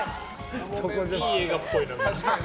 いい映画っぽいな。